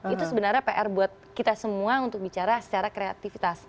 itu sebenarnya pr buat kita semua untuk bicara secara kreativitas